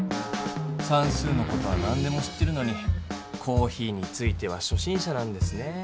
さんすうの事はなんでも知ってるのにコーヒーについてはしょ心者なんですね。